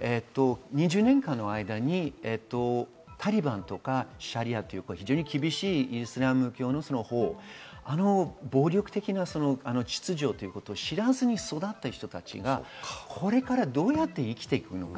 ２０年間の間にタリバンとかシリアという非常に厳しいイスラム教の暴力的な秩序ということを知らずに育った人たちがこれから、どうやって生きていくのか。